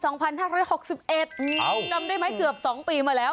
เอาจำได้ไหมเกือบ๒ปีมาแล้ว